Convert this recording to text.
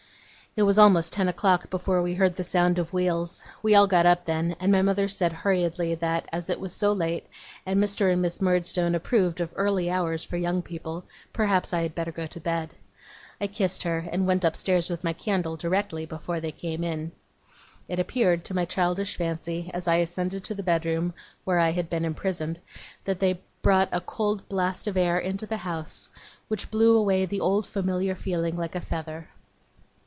It was almost ten o'clock before we heard the sound of wheels. We all got up then; and my mother said hurriedly that, as it was so late, and Mr. and Miss Murdstone approved of early hours for young people, perhaps I had better go to bed. I kissed her, and went upstairs with my candle directly, before they came in. It appeared to my childish fancy, as I ascended to the bedroom where I had been imprisoned, that they brought a cold blast of air into the house which blew away the old familiar feeling like a feather.